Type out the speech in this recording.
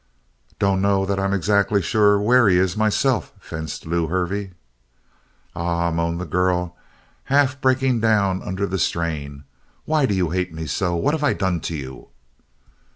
"Dunno that I'm exactly sure about where he is myself," fenced Lew Hervey. "Ah," moaned the girl, half breaking down under the strain. "Why do you hate me so? What have I done to you?"